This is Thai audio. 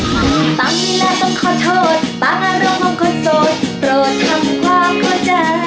ปังนี้แหละต้องขอโทษปังอารมณ์ของคนโสดโปรดคำความเข้าใจ